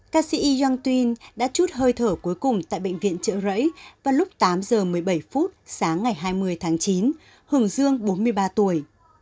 các sĩ yiyang jun đã chút hơi thở cuối cùng tại bệnh viện chợ rẫy vào lúc tám giờ một mươi bảy phút sáng ngày hai mươi tháng chín hưởng dương bốn mươi ba tuổi